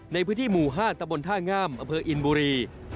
ในพื้นที่หมู่๕ตะบนท่างามอำเภออินบุรี